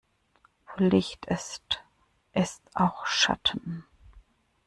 Wo Licht ist, ist auch Schatten.